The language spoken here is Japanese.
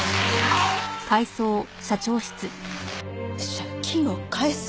借金を返す？